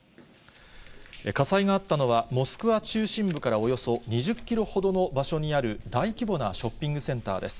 火災があったのは、モスクワ中心部からおよそ２０キロほどの場所にある大規模なショッピングセンターです。